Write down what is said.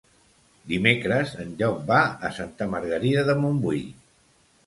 Dimecres en Llop va a Santa Margarida de Montbui.